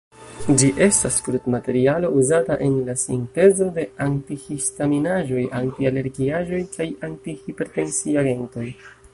Ĝi estas krudmaterialo uzata en la sintezo de anti-histaminaĵoj, anti-alergiaĵoj kaj anti-hipertensiagentoj.